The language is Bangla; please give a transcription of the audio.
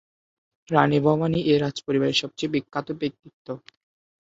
রানী ভবানী এই রাজ পরিবারের সবচেয়ে বিখ্যাত ব্যক্তিত্ব।